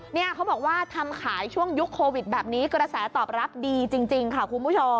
เนี่ยเขาบอกว่าทำขายช่วงยุคโควิดแบบนี้กระแสตอบรับดีจริงค่ะคุณผู้ชม